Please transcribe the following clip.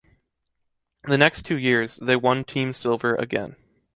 The next two years, they won team silver again.